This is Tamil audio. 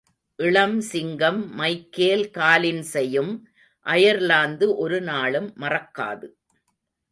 இளம் சிங்கம் மைக்கேல் காலின்ஸையும் அயர்லாந்து ஒரு நாளும் மறக்காது.